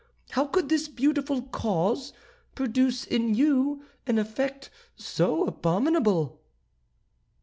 How could this beautiful cause produce in you an effect so abominable?"